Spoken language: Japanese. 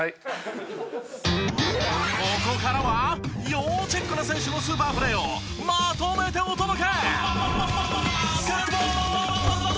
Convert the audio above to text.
ここからは要チェックな選手のスーパープレーをまとめてお届け！